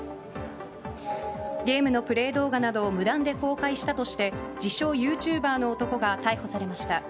ゲームのプレー動画などを無断で公開したなどとして自称ユーチューバーの男が逮捕されました。